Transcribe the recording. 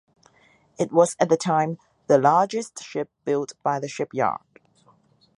It was at the time the largest ship built by the shipyard.